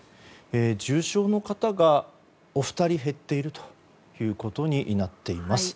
重症の方が、お二人減っているということになっています。